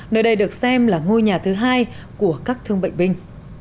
nơi đây được xem là ngôi nhà thứ hai của các thương bệnh binh